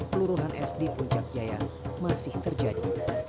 peluruhan es di puncak jaya masih terjadi